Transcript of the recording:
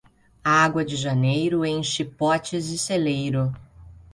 A água de janeiro enche potes e celeiro.